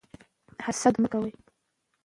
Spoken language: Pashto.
حسد مه کوئ.